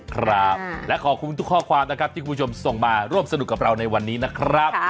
ครับและขอบคุณทุกข้อความนะครับที่คุณผู้ชมส่งมาร่วมสนุกกับเราในวันนี้นะครับ